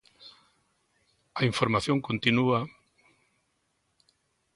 A información continúa...